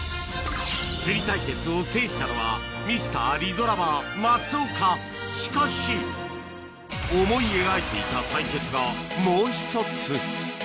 釣り対決を制したのはＭｒ．リゾラバ松岡しかし思い描いていた対決がもう１つ